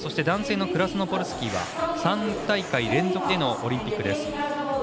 男性のクラスノポルスキーは３大会連続のオリンピック。